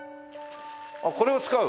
あっこれを使う？